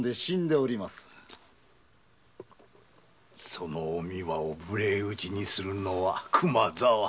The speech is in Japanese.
そのおみわを無礼討ちにするのは熊沢。